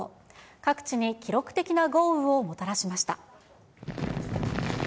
各地に記録的な豪雨をもたらしました。